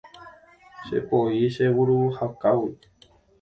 chepoi che vuruhákagui